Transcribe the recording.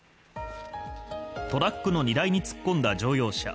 トラックの荷台に突っ込んだ乗用車。